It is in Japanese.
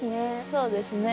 そうですね。